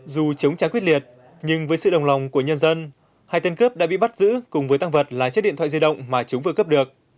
dù chống trả quyết liệt nhưng với sự đồng lòng của nhân dân hai tên cướp đã bị bắt giữ cùng với tăng vật là chiếc điện thoại di động mà chúng vừa cướp được